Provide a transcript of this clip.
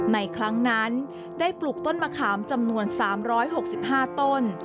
ในครั้งนั้นได้ปลูกต้นมะขามจำนวน๓๖๕ต้น